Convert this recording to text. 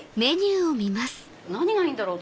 何がいいんだろう？